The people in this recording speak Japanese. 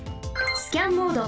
スキャンモード